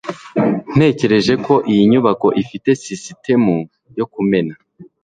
Natekereje ko iyi nyubako ifite sisitemu yo kumena.